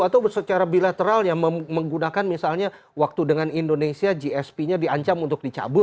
atau secara bilateralnya menggunakan misalnya waktu dengan indonesia gsp nya diancam untuk dicabut